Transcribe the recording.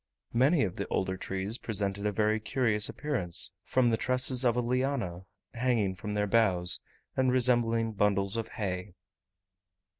Many of the older trees presented a very curious appearance from the tresses of a liana hanging from their boughs, and resembling bundles of hay.